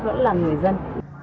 vẫn là người dân